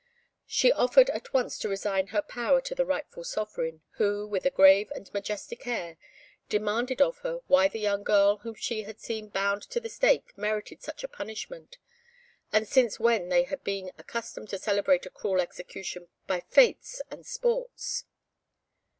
She offered at once to resign her power to the rightful sovereign, who, with a grave and majestic air, demanded of her why the young girl whom she had seen bound to the stake merited such a punishment, and since when they had been accustomed to celebrate a cruel execution by fêtes and sports.